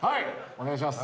お願いします。